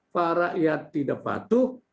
para rakyat tidak patuh